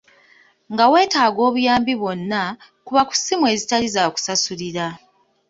Nga weetaaga obuyambi bwonna, kuba ku ssimu ezitali za kusasulira.